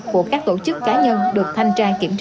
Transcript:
của các tổ chức cá nhân được thanh tra kiểm tra